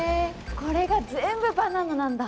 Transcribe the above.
これが全部バナナなんだ！